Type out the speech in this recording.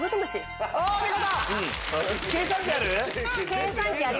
計算機ある？